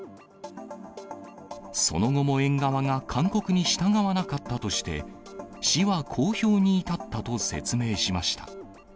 その後も園側が勧告に従わなかったとして、市は公表に至ったと説明しました。